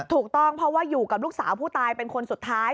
ถูกต้องเพราะว่าอยู่กับลูกสาวผู้ตายเป็นคนสุดท้าย